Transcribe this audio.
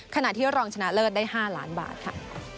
ขณะที่รองชนะเลิศได้๕ล้านบาทค่ะ